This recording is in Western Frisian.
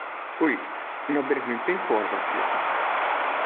Oei, no bin ik myn pinkoade wer ferjitten.